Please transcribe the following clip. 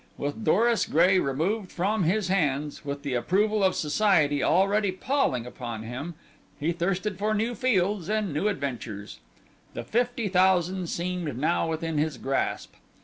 With Doris Gray removed from his hands, with the approval of society already palling upon him, he thirsted for new fields and new adventures. The fifty thousand seemed now within his grasp.